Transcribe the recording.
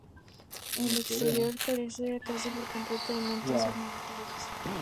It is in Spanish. El exterior carece casi por completo de elementos ornamentales.